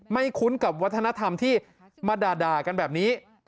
คุ้นกับวัฒนธรรมที่มาด่ากันแบบนี้